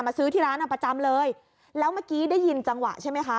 ซื้อที่ร้านอ่ะประจำเลยแล้วเมื่อกี้ได้ยินจังหวะใช่ไหมคะ